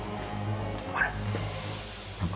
あれ？